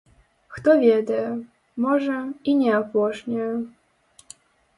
Хто ведае, можа, і не апошняя.